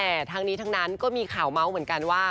แต่ทั้งนี้ทั้งนั้นก็มีข่าวเมาส์เหมือนกันว่า